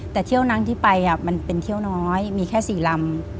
แต่เที่ยวนั้นที่ไปมันเป็นเที่ยวน้อยมีแค่๔ลำ